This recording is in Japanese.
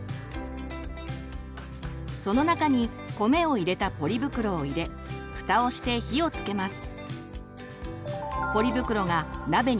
その中に米を入れたポリ袋を入れふたをして火をつけます。